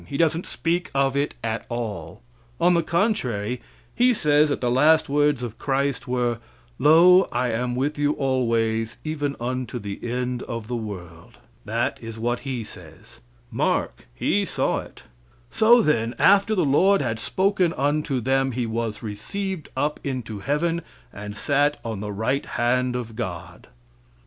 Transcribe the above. He doesn't speak of it at all. On the contrary, he says that the last words of Christ were: "Lo, I am with you always, even unto the end of the world." That is what he says. Mark, he saw it. "So, then, after the Lord had spoken unto them He was received up into heaven and sat on the right hand of God."